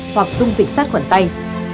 hoặc dung dịch sát khuẩn tay